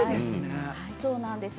そうなんです。